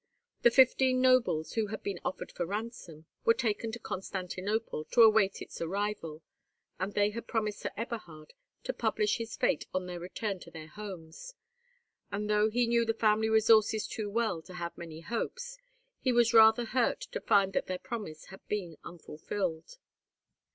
The fifteen nobles, who had been offered for ransom, were taken to Constantinople, to await its arrival, and they had promised Sir Eberhard to publish his fate on their return to their homes; and, though he knew the family resources too well to have many hopes, he was rather hurt to find that their promise had been unfulfilled.